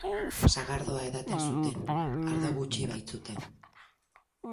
Sagardoa edaten zuten, ardo gutxi baitzuten.